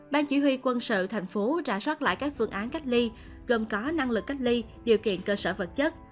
ban chỉ huy quân sự thành phố ra sót lại các phương án cách ly gồm có năng lực cách ly điều kiện cơ sở vật chất